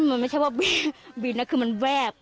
มันไม่ใช่ว่าบินบินนะคือมันแวบ